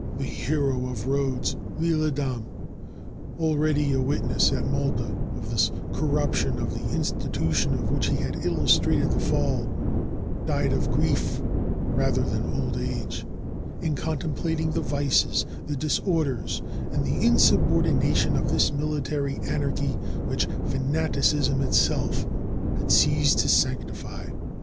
The hero of Rhodes, L'lle Adam, already a witness at Malta of this corruption of the institution of which he had illustrated the fall, died of grief rather than old age, in contemplating the vices, the disorders, and the insub ordination of this military anarchy which fanaticism itself had ceased to sanctify.